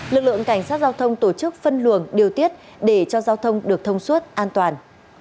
lực lượng cảnh sát giao thông tổ chức phân luồng điều tiết để cho giao thông được thông suốt an toàn